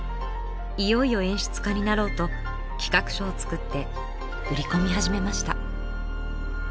いよいよ演出家になろうと企画書を作って売り込み始めました。